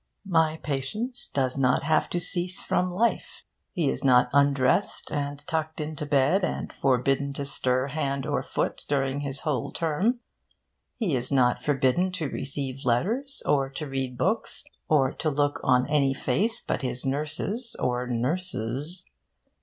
My patient does not have to cease from life. He is not undressed and tucked into bed and forbidden to stir hand or foot during his whole term. He is not forbidden to receive letters, or to read books, or to look on any face but his nurse's (or nurses').